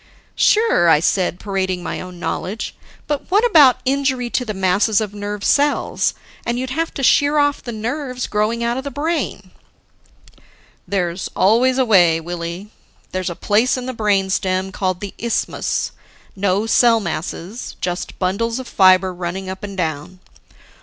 "Sure," I said, parading my own knowledge, "but what about injury to the masses of nerve cells? And you'd have to shear off the nerves growing out of the brain." "There's always a way, Willie. There's a place in the brain stem called the isthmus, no cell masses, just bundles of fibers running up and down.